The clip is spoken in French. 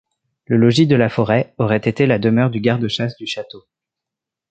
Le logis de la Forêt aurait été la demeure du garde-chasse du château.